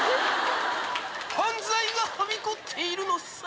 犯罪がはびこっているのさ。